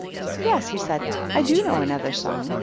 " Yes," he said, " I do know another song.